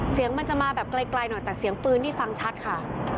เสียงมันจะมาแบบไกลหน่อยแต่เสียงปืนนี่ฟังชัดค่ะ